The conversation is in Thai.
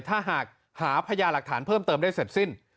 ถ้าหากหาพญาหลักฐานเพิ่มเติมได้เสร็จสิ้น